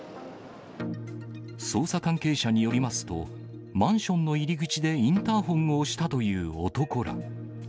捜査関係者によりますと、マンションの入り口でインターホンを押したという男ら。